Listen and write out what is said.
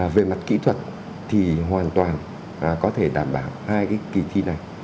về mặt kỹ thuật thì hoàn toàn có thể đảm bảo hai kỳ thi này